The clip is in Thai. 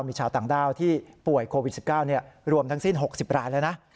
มีชาวต่างด้าวที่ป่วยโควิด๑๙รวมทั้งสิ้น๖๐รายแล้วนะ